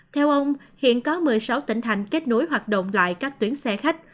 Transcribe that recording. theo ông hiện có một mươi sáu tỉnh thành kết nối hoạt động lại các tuyến xe khách